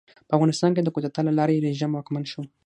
په افغانستان کې د کودتا له لارې رژیم واکمن شو.